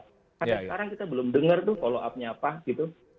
karena sekarang kita belum dengar follow up nya apa gitu